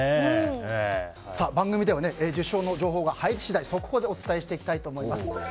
番組では受賞の情報が入り次第速報でお伝えしていきたいと思います。